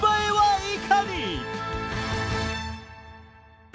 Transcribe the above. はい。